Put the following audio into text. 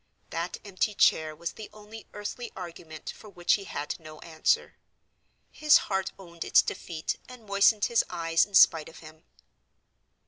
That empty chair was the only earthly argument for which he had no answer: his heart owned its defeat and moistened his eyes in spite of him.